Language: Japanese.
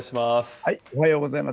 おはようございます。